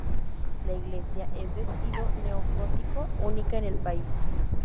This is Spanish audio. La iglesia es de estilo neogótico, única en el país.